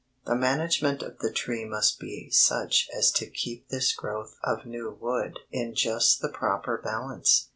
The management of the tree must be such as to keep this growth of new wood in just the proper balance.